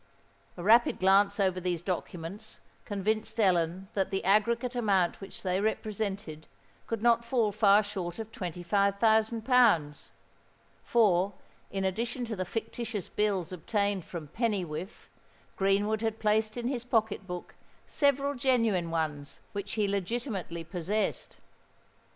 A rapid glance over these documents convinced Ellen that the aggregate amount which they represented could not fall far short of twenty five thousand pounds; for, in addition to the fictitious bills obtained from Pennywhiffe, Greenwood had placed in his pocket book several genuine ones which he legitimately possessed.